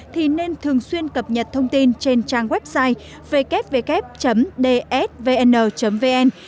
thì nên thường xuyên cập nhật thông tin trên trang website ww dsvn vn